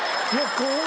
「怖い！